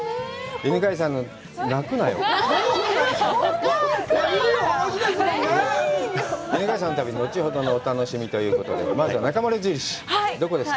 犬飼さんの旅は後ほどのお楽しみということで、まずは「なかまる印」、どこですか。